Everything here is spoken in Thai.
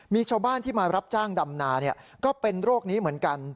มีชาวบ้านที่มารับจ้างดำนาก็เป็นโรคนี้เหมือนกัน